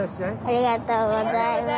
ありがとうございます。